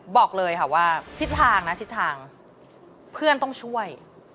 บอกเลยค่ะว่าทิศทางนะทิศทางเพื่อนต้องช่วย